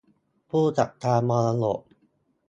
ผู้จัดการมรดก